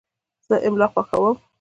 زه املا خوښوم.